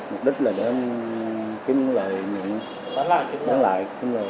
mục đích là để em kiếm lại bán lại kiếm lại